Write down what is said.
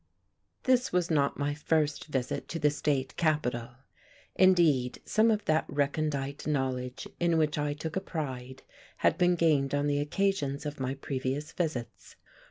This was not my first visit to the state capital. Indeed, some of that recondite knowledge, in which I took a pride, had been gained on the occasions of my previous visits.